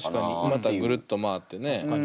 またぐるっと回ってね。